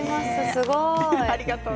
すごい。